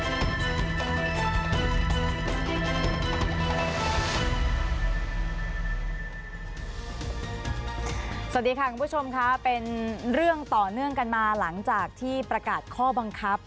สวัสดีค่ะคุณผู้ชมค่ะเป็นเรื่องต่อเนื่องกันมาหลังจากที่ประกาศข้อบังคับ